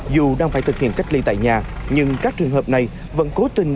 dù đang phải thực hiện cách ly tại nhà nhưng các trường hợp này vẫn cố tình